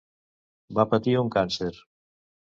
Va patir un càncer.